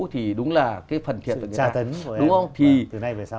thì đúng là cái phần thiệt của người ta